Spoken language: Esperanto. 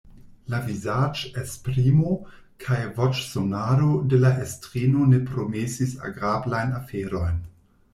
La vizaĝesprimo kaj voĉsonado de la estrino ne promesis agrablajn aferojn.